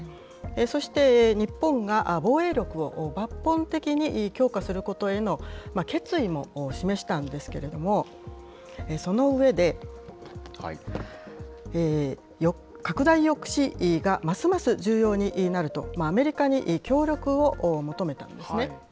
そして日本が防衛力を抜本的に強化することへの決意も示したんですけれども、その上で、拡大抑止がますます重要になると、アメリカに協力を求めたんですね。